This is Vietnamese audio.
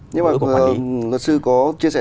nhưng mà luật sư có chia sẻ